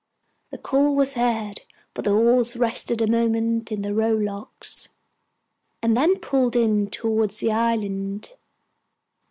The call was heard, for the oars rested a moment in the row locks, and then pulled in towards the island.